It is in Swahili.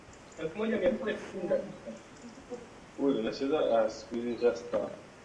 wa hewa na ubora wake wa hewa umeimarika sana